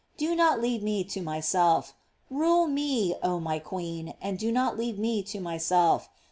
Do not leave me to myself.* Rule me, oh my queen, and do not leave me to myself.